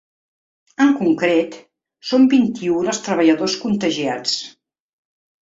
En concret, són vint-i-un els treballadors contagiats.